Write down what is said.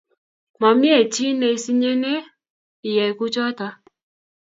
Mamie chii ne isinyinnie iyai kuchotok